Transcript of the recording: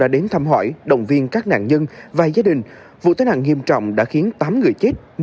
đến thăm hỏi động viên các nạn nhân và gia đình vụ tai nạn nghiêm trọng đã khiến tám người chết